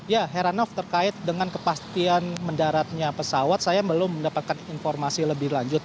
ya heranov terkait dengan kepastian mendaratnya pesawat saya belum mendapatkan informasi lebih lanjut